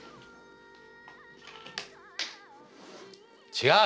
違う！